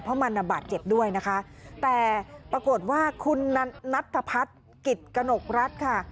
เพราะมันบาดเจ็บด้วยนะคะแต่ปรากฏว่าคุณนัทธพัฒน์กิจกระหนกรัฐค่ะ